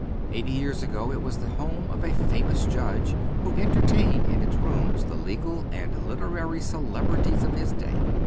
Eighty years ago it was the home of a famous judge, who entertained in its rooms the legal and literary celebrities of his day.